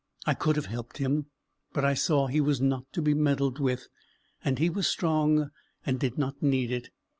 I could have helped him, but I saw he was not to be meddled with, and he was strong, and did not need it.